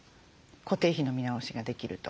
固定費の見直しができると。